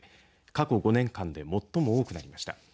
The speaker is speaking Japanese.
過去５年間で最も多くなりました。